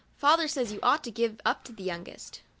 Father says you ought to give up to the youngest."